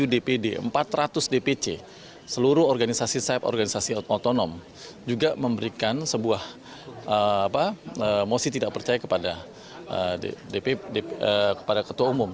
tujuh dpd empat ratus dpc seluruh organisasi sayap organisasi otonom juga memberikan sebuah mosi tidak percaya kepada ketua umum